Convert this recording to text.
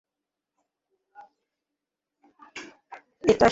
এটা সূর্যাস্ত দেখার সবচেয়ে সেরা স্থান।